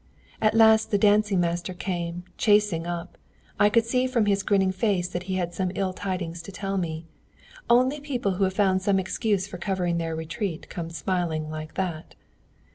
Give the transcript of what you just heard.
"At last the dancing master came chassé ing up; I could see from his grinning face that he had some ill tidings to tell me. Only people who have found some excuse for covering their retreat come smiling like that.